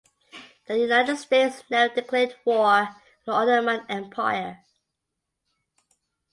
The United States never declared war on the Ottoman Empire.